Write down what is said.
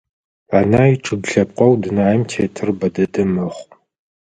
Анай чъыг лъэпкъэу дунаим тетыр бэ дэдэ мэхъу.